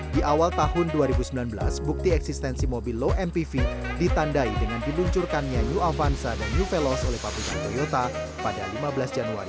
di awal tahun dua ribu sembilan belas bukti eksistensi mobil low mpv ditandai dengan diluncurkannya new avanza dan new velos oleh pabrikan toyota pada lima belas januari